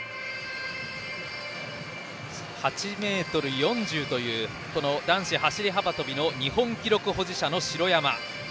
８ｍ４０という男子走り幅跳びの日本記録保持者の城山。